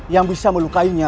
yang bisa melukainya